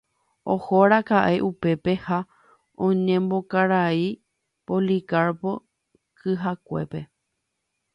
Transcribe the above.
Ohóraka'e upépe ha oñemombo karai Policarpo kyhakuépe